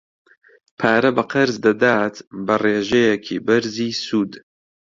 پارە بە قەرز دەدات بە ڕێژەیەکی بەرزی سوود.